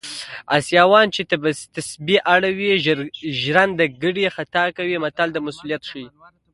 اسیاوان چې تسبې اړوي ژرندګړی خطا کوي متل د مسوولیت ښيي